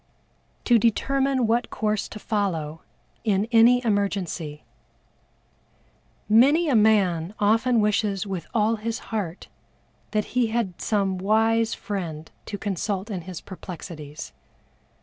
To determine what course to follow in any Emergency. Many a man often wishes with all his heart that he had some wise friend to consult in his perplexities.